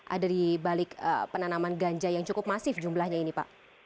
ada di balik penanaman ganja yang cukup masif jumlahnya ini pak